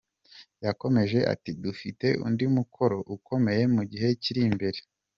Yakomeje ati “Dufite undi mukoro ukomeye mu gihe kiri imbere.